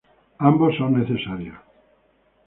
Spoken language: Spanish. Ambos son necesarios.